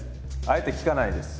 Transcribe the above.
あえて聞かないです。